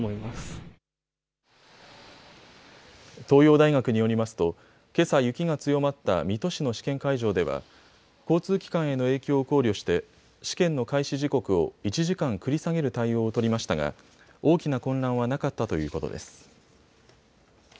東洋大学によりますとけさ雪が強まった水戸市の試験会場では交通機関への影響を考慮して試験の開始時刻を１時間繰り下げる対応を取りましたが大きな混乱はなかったということです。